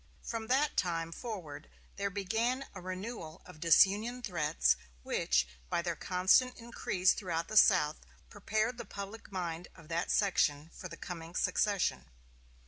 From that time forward there began a renewal of disunion threats, which, by their constant increase throughout the South, prepared the public mind of that section for the coming secession.